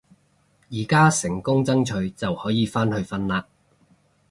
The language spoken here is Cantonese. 而家成功爭取就可以返去瞓啦